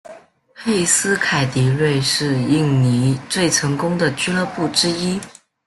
佩斯凯迪瑞是印尼最成功的俱乐部之一。